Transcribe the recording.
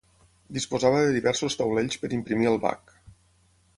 Disposava de diversos taulells per imprimir al bac.